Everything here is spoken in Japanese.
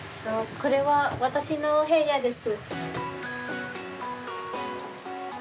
これは私の部屋です。